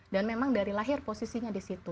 dan memang dari lahir posisinya di situ